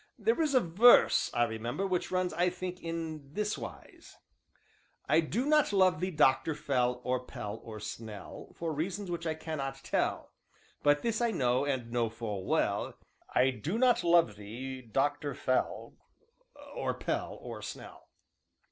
"There is a verse, I remember, which runs, I think, in this wise: "'I do not love thee, Doctor Fell, or Pell, or Snell, For reasons which I cannot tell; But this I know, and know full well, I do not love thee, Doctor Fell, or Pell, or Snell.'"